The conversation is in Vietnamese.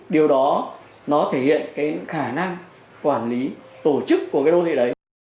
điều đó nó thể hiện cái khả năng quản lý tổ chức của cái đô thị đấy